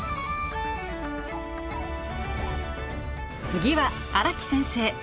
次は荒木先生。